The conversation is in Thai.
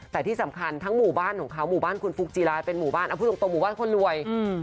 แต่ที่สำคัญทั้งหมู่บ้านของเขาหมู่บ้านคุณฟุ๊กจีรายเป็นหมู่บ้านเอาพูดตรงตรงหมู่บ้านคนรวย